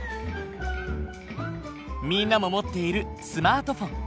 みんなも持っているスマートフォン。